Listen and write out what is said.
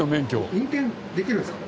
運転できるんですか？